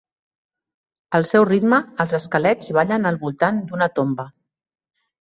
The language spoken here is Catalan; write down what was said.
Al seu ritme, els esquelets ballen al voltant d'una tomba.